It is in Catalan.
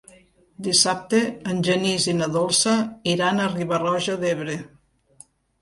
Dissabte en Genís i na Dolça iran a Riba-roja d'Ebre.